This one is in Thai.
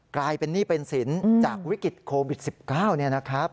กลายเป็นหนี้เป็นสินจากวิกฤตโควิด๑๙เนี่ยนะครับ